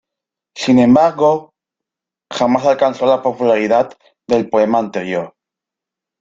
Sin embargo, jamás alcanzó la popularidad del poema anterior.